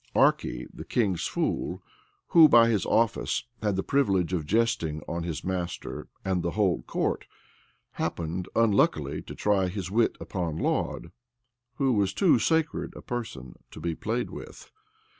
Archy, the king's fool, who by his office had the privilege of jesting on his master and the whole court, happened unluckily to try his wit upon Laud, who was too sacred a person to be played with.